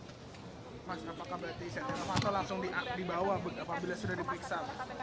mas apakah berarti sn atau langsung dibawa apabila sudah dipriksa